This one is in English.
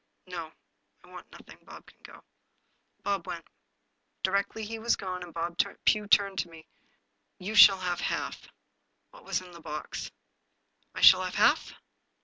" No, I want nothing. Bob can go." Bob went. Di rectly he was gone, Pugh turned to me. " You shall have half. What was in the box? " "I shall have half?"